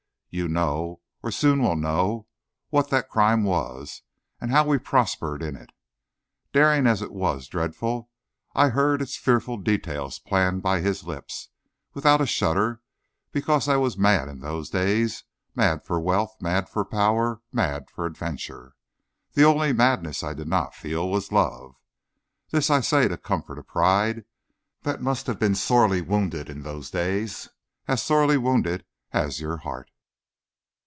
You know, or soon will know, what that crime was and how we prospered in it. Daring as it was dreadful, I heard its fearful details planned by his lips, without a shudder, because I was mad in those days, mad for wealth, mad for power, mad for adventure. The only madness I did not feel was love. This I say to comfort a pride that must have been sorely wounded in those days, as sorely wounded as your heart.